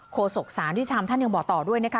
โคศกษานที่ทำท่านยังบอกต่อด้วยนะคะ